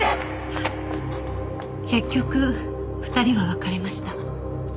結局２人は別れました。